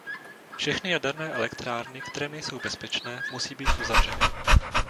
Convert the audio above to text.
Všechny jaderné elektrárny, které nejsou bezpečné, musí být uzavřeny.